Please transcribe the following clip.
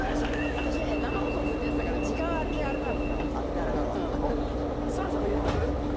私ね生放送をずっとやってたから時間はあれであれなの「あれであれなの」